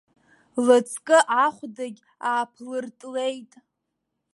Лыҵкы ахәдагь ааԥлыртлеит.